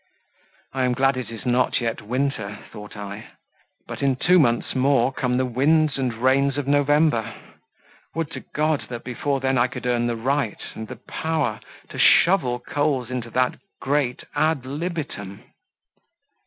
"I am glad it is not yet winter," thought I; "but in two months more come the winds and rains of November; would to God that before then I could earn the right, and the power, to shovel coals into that grate AD LIBITUM!"